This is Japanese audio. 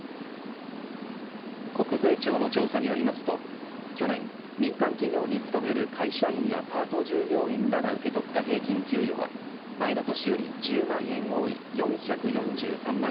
国税庁の調査によりますと去年、民間企業に勤める会社員やパート従業員らが受け取った平均給与は前の年より１０万円多い４４３万